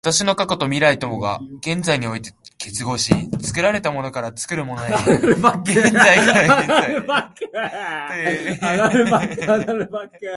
私の過去と未来とが現在において結合し、作られたものから作るものへ、現在から現在へという矛盾的自己同一は、我々の自己意識によっても分かるであろう。